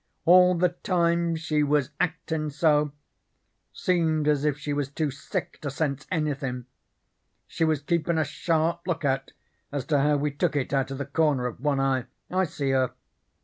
All the time she was actin' so seemed as if she was too sick to sense anythin' she was keepin' a sharp lookout as to how we took it out of the corner of one eye. I see her.